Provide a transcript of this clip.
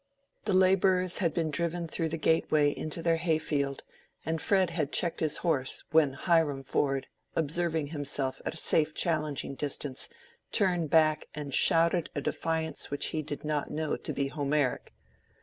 The laborers had been driven through the gate way into their hay field, and Fred had checked his horse, when Hiram Ford, observing himself at a safe challenging distance, turned back and shouted a defiance which he did not know to be Homeric.